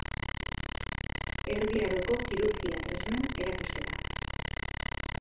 Erdi aroko kirurgia tresnen erakusketa.